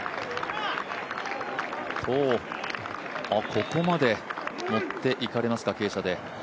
ここまで持っていかれますか、傾斜で。